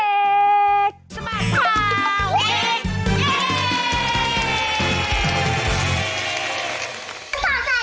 สบัดข่าวเด็ก